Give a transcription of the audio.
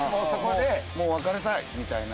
「もう別れたい」みたいな。